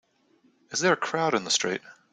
Is there a crowd in the street?